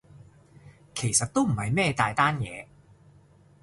其實都唔係咩大單嘢